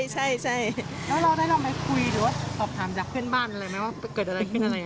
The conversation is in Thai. ใช่แล้วเราได้ลองไปคุยหรือว่าสอบถามจากเพื่อนบ้านอะไรไหมว่าเกิดอะไรขึ้นอะไร